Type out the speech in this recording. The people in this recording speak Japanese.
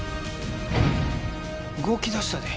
動き出したで！